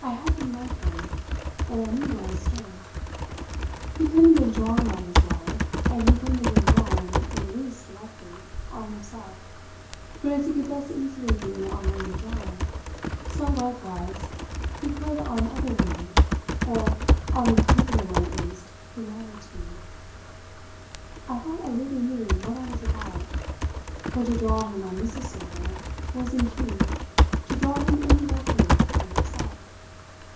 I had been right then, and I knew where I stood. He couldn't have been "drawn" on his wife, and he couldn't have been drawn, in the least directly, on himself, but as he could thus easily be on Lady John, so likewise he could on other women, or on the particular one, at least, who mattered to me. I felt I really knew what I was about, for to draw him on Mrs. Server was in truth to draw him indirectly on himself.